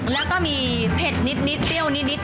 แล้วก็มีเผ็ดนิดเปรี้ยวนิด